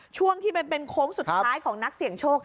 ช่วงที่เป็นโค้งสุดท้ายของนักเสี่ยงโชค